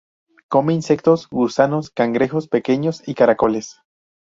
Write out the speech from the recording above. Come insectos, gusanos, cangrejos pequeños y caracoles.